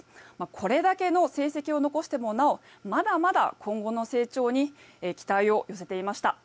これだけの成績を残してもなおまだまだ今後の成長に期待を寄せていました。